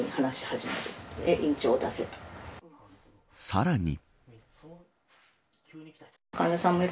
さらに。